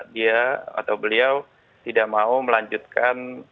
dia atau beliau tidak mau melanjutkan